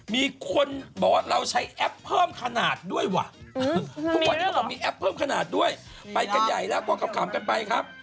มีคนบอกว่าเราใช้แอปเพิ่มขนาดด้วยวะมีแอปเพิ่มขนาดด้วยไปกันใหญ่แล้วก็ครำครับ